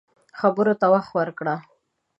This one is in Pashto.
خبرو ته وخت ورکړه